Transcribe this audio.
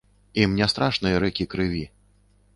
Ім не страшныя рэкі крыві.